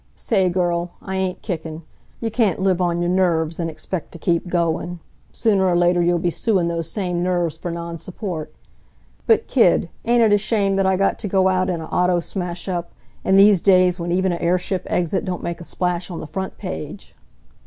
Sa a ay, girl, I ain't kickin'. You can't live on your nerves and expect t' keep goin'. Sooner or later you'll be suein' those same nerves for non support. But, kid, ain't it a shame that I got to go out in a auto smashup, in these days when even a airship exit don't make a splash on the front page!"